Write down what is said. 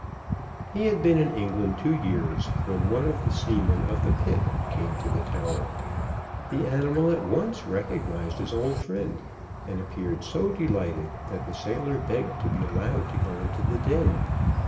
He had been in England two years, when one of the seamen of the Pitt came to the Tower. The animal at once recognized his old friend, and appeared so delighted, that the sailor begged to be allowed to go into the den.